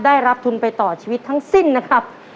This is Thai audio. ได้รับทุนไปต่อชีวิตทั้งสิ้นนะครับ